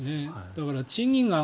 だから、賃金が。